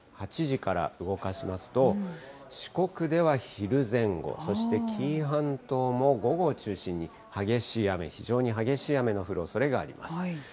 ８時から動かしますと、四国では昼前後、そして紀伊半島も午後を中心に激しい雨、非常に激しい雨の降るおそれがあります。